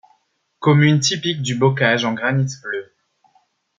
Commune typique du bocage en granite bleu.